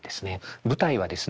舞台はですね